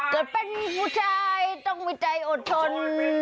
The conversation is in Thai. เกิดเป็นผู้ชายต้องวิจัยอดทน